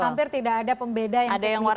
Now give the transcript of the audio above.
hampir tidak ada pembeda yang sering dikontribusikan